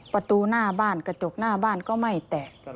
ประตูหน้าบ้านกระจกหน้าบ้านก็ไม่แตก